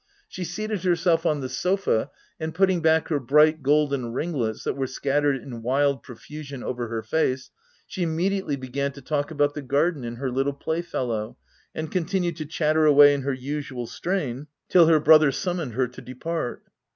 She seated herself on the sofa, and putting back her bright, golden ringlets, that were scattered in wild profusion over her face, she immediately began to talk about the garden and her little playfellow, and continued to chatter away in her usual strain till her brother summoned her to depart.